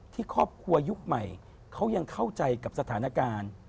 ที่ครอบครัวยุคใหม่เขายังเข้าใจกับสถานการณ์